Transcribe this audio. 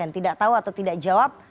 tidak tahu atau tidak jawab